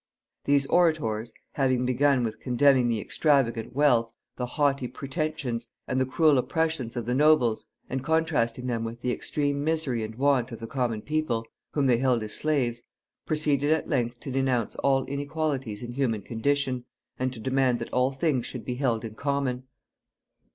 These orators, having begun with condemning the extravagant wealth, the haughty pretensions, and the cruel oppressions of the nobles, and contrasting them with the extreme misery and want of the common people, whom they held as slaves, proceeded at length to denounce all inequalities in human condition, and to demand that all things should be held in common.